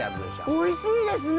おいしいですね！